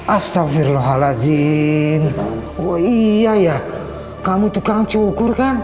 astaghfirullahaladzim oh iya ya kamu tukang cukur kan